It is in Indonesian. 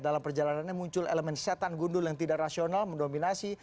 dalam perjalanannya muncul elemen setan gundul yang tidak rasional mendominasi